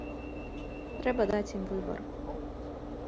Трэба даць ім выбар.